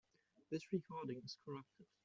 This recording is corrupted.